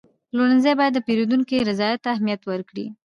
پلورنځی باید د پیرودونکو رضایت ته اهمیت ورکړي.